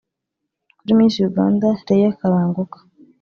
Kuri Miss Uganda Leah Kalanguka